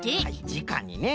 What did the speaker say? じかにね。